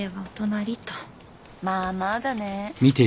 まあまあだね。